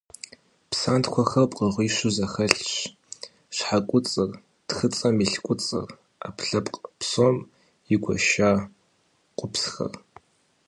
Псантхуэхэр пкъыгъуищу зэхэлъщ: щхьэкуцӏыр, тхыцӏэм илъ куцӏыр, ӏэпкълъэпкъ псом игуэша къуэпсхэр.